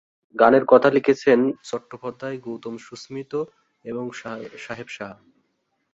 গানের কথা লিখেছেন প্রিয় চট্টোপাধ্যায়, গৌতম-সুস্মিত এবং সাহেব সাহা।